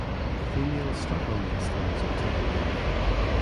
Females stuck on nestlings until their death.